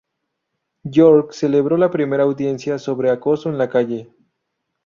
York celebró la primera audiencia sobre acoso en la calle.